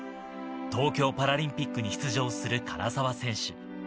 東京パラリンピックに出場する唐澤選手。